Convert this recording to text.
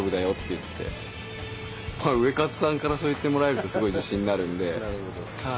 ウエカツさんからそう言ってもらえるとすごい自信になるんで。